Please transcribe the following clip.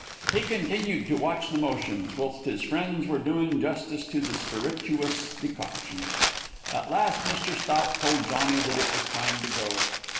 He continued to watch the motions, whilst his friends were doing justice to the spirituous decoctions. At last Mr. Spout told Johnny that it was time to go.